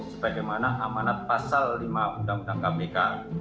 sebagaimana amanat pasal lima undang undang kpk